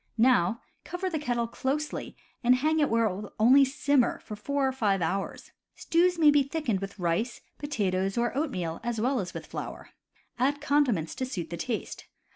Now cover the kettle closely and hang it where it will only simmer for four or five hours. Stews may be thickened with rice^ potatoes, or oatmeal, as well as with flour. Add con diments to suit the taste.